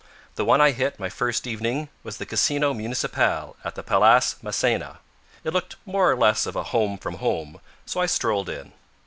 The one I hit my first evening was the Casino Municipale in the Place Masséna. It looked more or less of a Home From Home, so I strolled in.